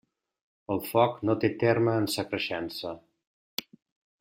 El foc no té terme en sa creixença.